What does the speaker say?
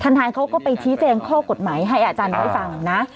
นายเขาก็ไปชี้แจงข้อกฎหมายให้อาจารย์ได้ฟังนะ